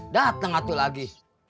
dateng satu lagi